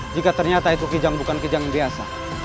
jika ternyata itu kijang bukan kijang biasa